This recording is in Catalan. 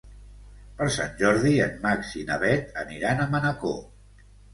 Per Sant Jordi en Max i na Bet aniran a Manacor.